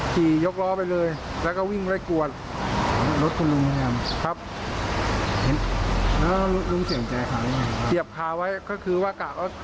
ขี่ยกล้อไปเลยแล้วก็วิ่งไล่กวน